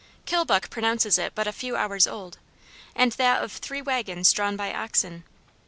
Kilbuck pronounces it but a few hours old, and that of three wagons drawn by oxen.